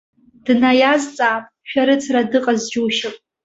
Днаиазҵаап, шәарыцара дыҟаз џьушьап.